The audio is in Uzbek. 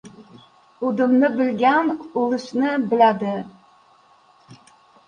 — Udumni bilgan, ulusni biladi!